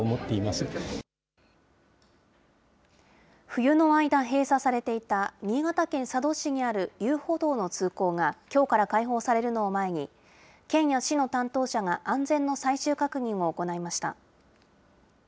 冬の間、閉鎖されていた新潟県佐渡市にある遊歩道の通行がきょうから開放されるのを前に、県や市の担当者が安全の最終確認を行いました。